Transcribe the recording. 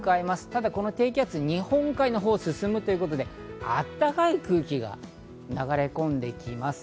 ただこの低気圧、日本海のほうを進むということで、あったかい空気が流れ込んできます。